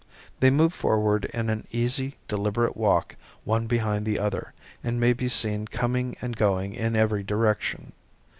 They move forward in an easy, deliberate walk one behind the other and may be seen coming and going in every direction.